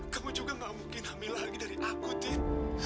kamu juga gak mungkin hamil lagi dari aku tit